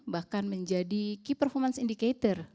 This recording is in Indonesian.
bahkan menjadi key performance indicator